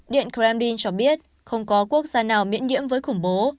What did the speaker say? điện kremlin cho biết không có quốc gia nào miễn nhiễm với khủng bố